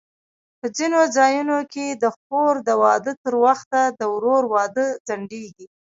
په ځینو ځایونو کې د خور د واده تر وخته د ورور واده ځنډېږي.